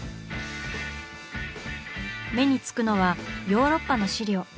目につくのはヨーロッパの資料。